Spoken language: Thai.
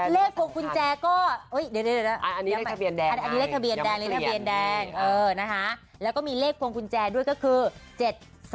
เลขของคุณแจก็อันนี้เลขทะเบียนแดงแล้วก็มีเลขของคุณแจด้วยก็คือ๗๓๓๒๐